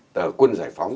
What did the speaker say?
tờ quân giải phóng